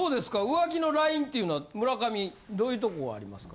浮気のラインっていうのは村上どういうとこがありますか？